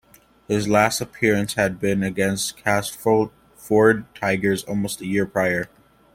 His last appearance had been against Castleford Tigers almost a year prior.